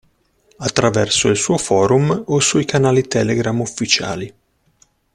Attraverso il suo forum o sui canali Telegram ufficiali.